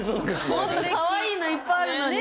もっとかわいいのいっぱいあるのに。